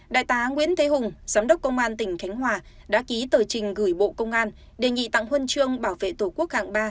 đại tá nguyễn thế hùng giám đốc công an tỉnh khánh hòa đã ký tờ trình gửi bộ công an đề nghị tặng huân chương bảo vệ tổ quốc hạng ba